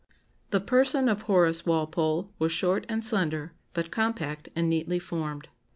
_] "The person of Horace Walpole was short and slender, but compact and neatly formed.